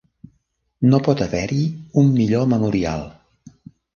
No pot haver-hi un millor memorial.